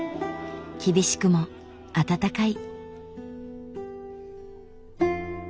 厳しくも温かい。